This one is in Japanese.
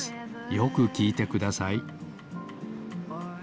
よくきいてください。